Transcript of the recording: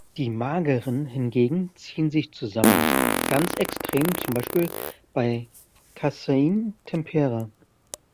Die mageren hingegen ziehen sich zusammen; ganz extrem zum Beispiel bei Kasein-Tempera.